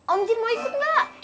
om jin mau ikut gak